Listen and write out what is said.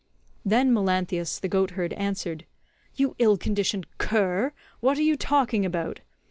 Then Melanthius the goatherd answered, "You ill conditioned cur, what are you talking about?